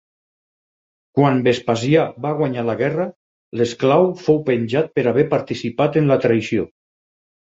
Quan Vespasià va guanyar la guerra, l'esclau fou penjat per haver participat en la traïció.